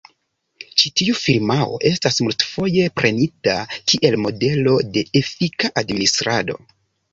Ĉi tiu firmao estas multfoje prenita kiel modelo de efika administrado.